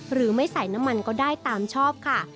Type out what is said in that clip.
หรือไม่ใส่น้ำมันก็ได้ตามชอบค่ะ